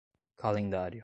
calendário